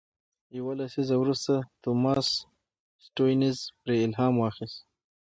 یو لسیزه وروسته توماس سټيونز پرې الهام واخیست.